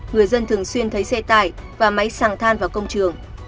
người dân thường xuyên thấy xe tải và máy sàng than vào công trường